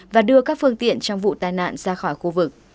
và đưa các phương tiện trong vụ tai nạn ra khỏi khu vực